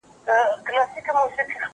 زه اوږده وخت سينه سپين کوم؟!